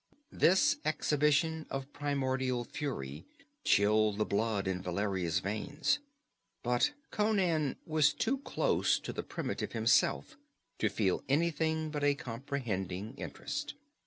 This exhibition of primordial fury chilled the blood in Valeria's veins, but Conan was too close to the primitive himself to feel anything but a comprehending interest.